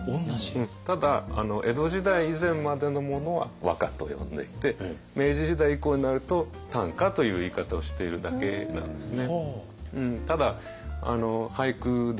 ただ江戸時代以前までのものは和歌と呼んでいて明治時代以降になると短歌という言い方をしているだけなんですね。